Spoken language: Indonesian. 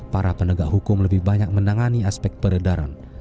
para penegak hukum lebih banyak menangani aspek peredaran